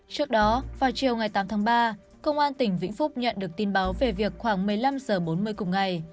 trước đó vào chiều ngày tám tháng ba công an tỉnh vĩnh phúc nhận được tin báo về việc khoảng một mươi năm h bốn mươi cùng ngày